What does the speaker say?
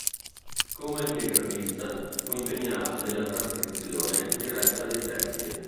Come epigrafista fu impegnato nella trascrizione diretta dei testi.